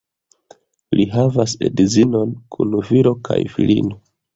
Li havas edzinon kun filo kaj filino.